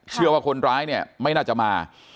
เชื่อว่าคนร้ายเนี่ยไม่น่าจะมา